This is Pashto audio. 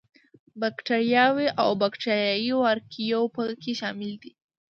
باکټریاوې او باکټریايي وارکیو په کې شامل دي.